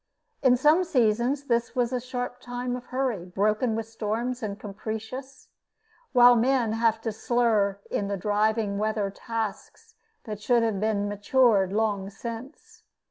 In some seasons this is a sharp time of hurry, broken with storms, and capricious, while men have to slur in the driving weather tasks that should have been matured long since.